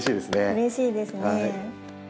うれしいですね。